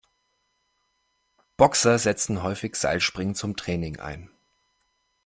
Boxer setzen häufig Seilspringen zum Training ein.